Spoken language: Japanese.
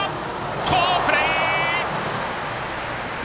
好プレー！